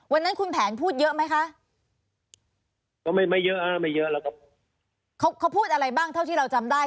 วันนั้นคุณแผนพูดเยอะไหมคะก็ไม่ไม่เยอะฮะไม่เยอะแล้วครับเขาเขาพูดอะไรบ้างเท่าที่เราจำได้